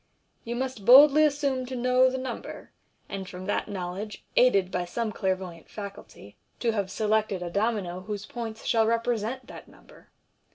You must boldly assume to know the number, and from that knowledge, aided by some clairvoyant faculty, to have selected a domino whose points shall represent that number.